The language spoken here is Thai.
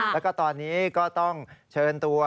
แล้วก็ตอนนี้ก็ต้องเชิญตัว